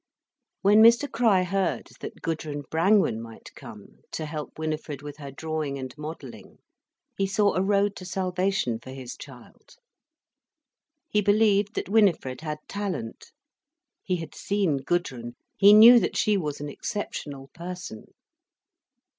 When Mr Crich heard that Gudrun Brangwen might come to help Winifred with her drawing and modelling he saw a road to salvation for his child. He believed that Winifred had talent, he had seen Gudrun, he knew that she was an exceptional person.